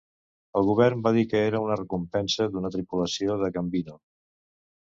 El govern va dir que era una recompensa d'una tripulació de Gambino.